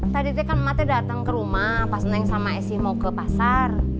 tadi teh kan emak teh dateng ke rumah pas neng sama esy mau ke pasar